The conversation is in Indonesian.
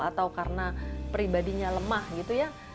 atau karena pribadinya lemah gitu ya